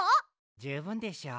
じゅうぶんでしょう？